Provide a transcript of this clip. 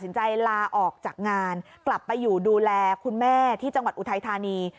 สินใจลาออกจากงานกลับไปอยู่ดูแลที่จังหวัดอุทัยทานี